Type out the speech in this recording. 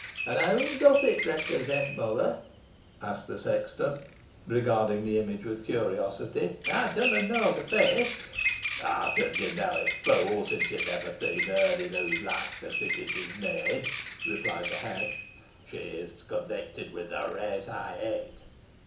"An whoam doth it represent, mother?" asked the sexton, regarding the image with curiosity. "Ey dunna knoa the feace?" "How should you know it, fool, since you have never seen her in whose likeness it is made?" replied the hag. "She is connected with the race I hate."